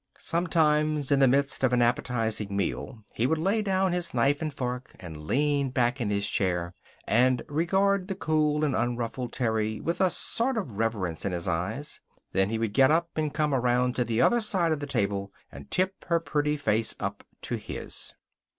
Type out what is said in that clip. Sometimes, in the midst of an appetizing meal he would lay down his knife and fork and lean back in his chair, and regard the cool and unruffled Terry with a sort of reverence in his eyes. Then he would get up, and come around to the other side of the table, and tip her pretty face up to his.